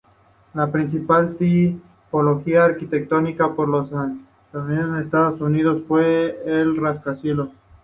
La principal tipología arquitectónica por antonomasia en Estados Unidos fue el rascacielos.